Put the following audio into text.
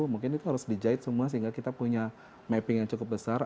mungkin itu harus dijahit semua sehingga kita punya mapping yang cukup besar